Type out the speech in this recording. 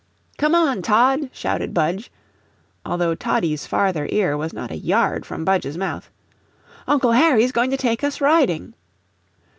"Come on, Tod," shouted Budge, although Toddie's farther ear was not a yard from Budge's mouth. "Uncle Harry's going to take us riding!"